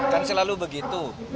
kan selalu begitu